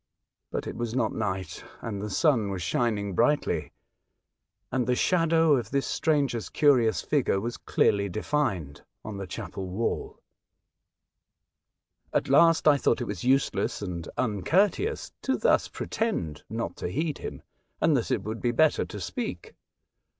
But it was not night, and the sun was shining brightly, and the shadow of this stranger's curious figure was clearly defined on the chapel wall. At last I thought it was useless and un courteous to thus pretend not to heed him, and that it would be better to speak.